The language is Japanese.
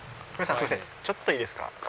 ちょっといいですか？